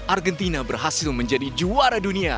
argentina berhasil menjadi juara dunia